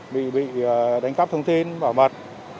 bị đánh cắp thông tin bảo mật